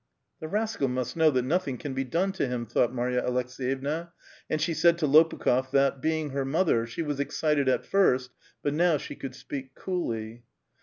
" The rascal must know that nothing can be done to him," thought Marya Aleks^yevna, and sl^e said to Lopiikh6f that, being her mother, she was excited at first, but now she could speak coolly.